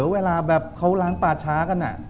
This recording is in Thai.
เวลาแบบเขาล้างป่าช้ากัน